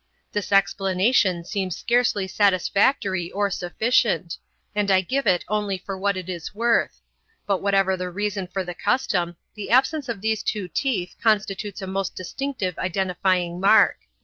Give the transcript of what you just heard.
This explanation seems scarcely satisfactory or sufficient, and I give it only for what it is worth: but whatever the reason for the custom, the absence of these two teeth constitutes a most distinctive identifying mark.